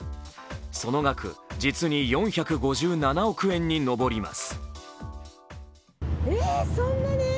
その額、実に４５７億円に上ります。